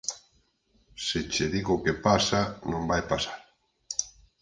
Se che digo o que pasa, non vai pasar.